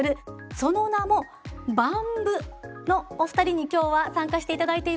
その名もＢＡＭ部のお二人に今日は参加していただいています。